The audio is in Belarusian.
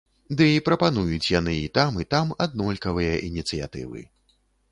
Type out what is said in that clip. Ды і прапануюць яны і там, і там аднолькавыя ініцыятывы.